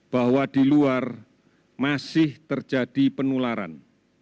bahwa di luar masih terjadi penularan